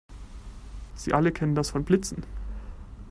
Sie alle kennen das von Blitzen.